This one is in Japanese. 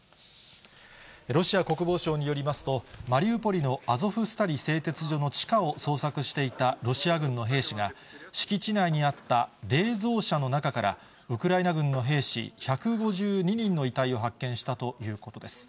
ロシア国防省によりますと、マリウポリのアゾフスタリ製鉄所の地下を捜索していたロシア軍の兵士が、敷地内にあった冷蔵車の中から、ウクライナ軍の兵士１５２人の遺体を発見したということです。